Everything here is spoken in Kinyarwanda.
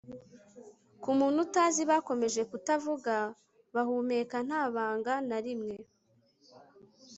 ku muntu utazi, bakomeje kutavuga, bahumeka nta banga na rimwe